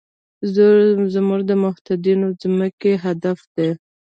زموږ د متحدینو ځمکې هدف دی.